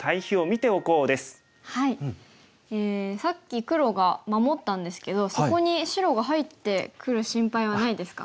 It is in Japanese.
さっき黒が守ったんですけどそこに白が入ってくる心配はないですか？